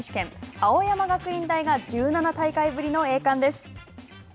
青山学院が１７大会ぶりの栄冠です。